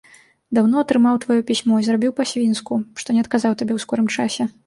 Даўно атрымаў тваё пісьмо і зрабіў па-свінску, што не адказаў табе ў скорым часе.